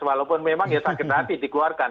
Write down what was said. walaupun memang ya sakit hati dikeluarkan